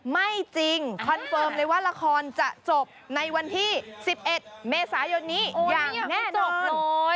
ไม่จริงคอนเฟิร์มเลยว่าละครจะจบในวันที่๑๑เมษายนนี้อย่างแน่จบเลย